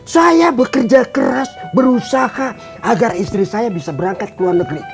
saya bekerja keras berusaha agar istri saya bisa berangkat ke luar negeri